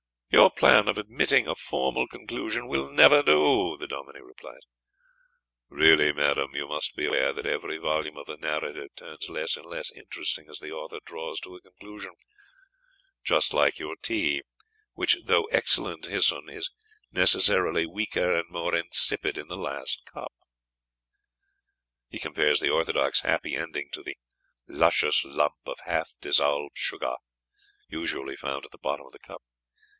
"Your plan of omitting a formal conclusion will never do!" The Dominie replies, "Really, madam, you must be aware that every volume of a narrative turns less and less interesting as the author draws to a conclusion, just like your tea, which, though excellent hyson, is necessarily weaker and more insipid in the last cup." He compares the orthodox happy ending to "the luscious lump of half dissolved sugar" usually found at the bottom of the cup.